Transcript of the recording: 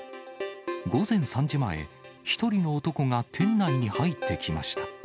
午前３時前、１人の男が店内に入ってきました。